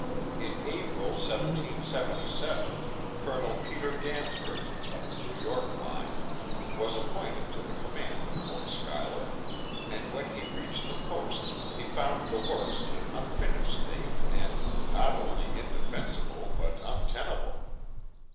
In April, 1777, Colonel Peter Gansevoort, of the New York line, was appointed to the command of Fort Schuyler, and when he reached the post he found the works in an unfinished state and not only in defensible but untenable."